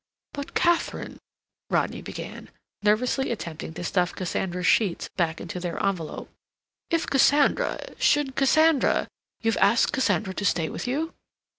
"But, Katharine," Rodney began, nervously attempting to stuff Cassandra's sheets back into their envelope; "if Cassandra—should Cassandra—you've asked Cassandra to stay with you."